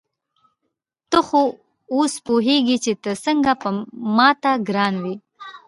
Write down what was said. ته خو اوس پوهېږې چې ته څنګه ما ته ګران وې.